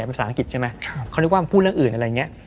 เป็นภาษาอังกฤษใช่ไหมครับเขาเรียกว่ามันพูดเรื่องอื่นอะไรเงี้ย